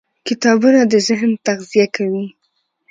کتابونه د ذهن تغذیه کوي.